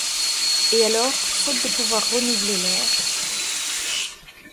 Et alors, faute de pouvoir renouveler l’air…